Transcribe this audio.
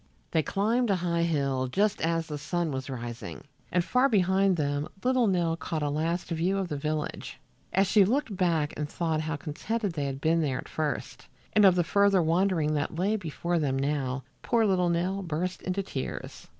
They climbed a high hill just as the sun was rising, and far behind them little Nell caught a last view of the village. As she looked back and thought how contented they had been there at first, and of the further wandering that lay before them now, poor little Nell burst into tears.